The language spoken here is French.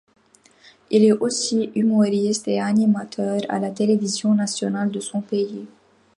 Il est aussi humoriste et animateur à la télévision nationale de son pays.